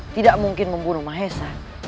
tidak mungkin membunuh mahesa